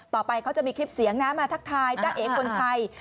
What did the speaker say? ต่อไปเขาจะมีคลิปเสียงนะมาทักทายจ้าเอกลชัย